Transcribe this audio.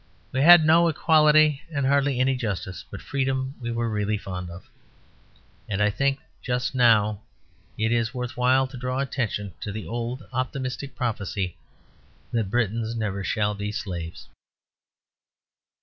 We had no equality and hardly any justice; but freedom we were really fond of. And I think just now it is worth while to draw attention to the old optimistic prophecy that "Britons never shall be slaves."